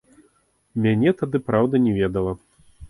Мяне тады, праўда, не ведала.